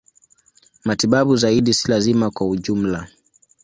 Matibabu zaidi si lazima kwa ujumla.